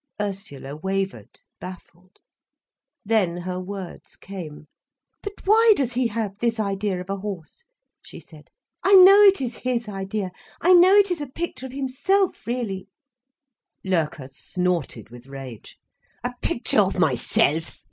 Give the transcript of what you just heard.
Ursula wavered, baffled. Then her words came. "But why does he have this idea of a horse?" she said. "I know it is his idea. I know it is a picture of himself, really—" Loerke snorted with rage. "A picture of myself!"